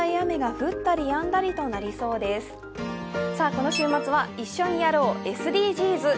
この週末は一緒にやろう、ＳＤＧｓ！